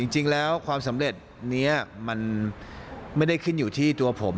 จริงแล้วความสำเร็จนี้มันไม่ได้ขึ้นอยู่ที่ตัวผม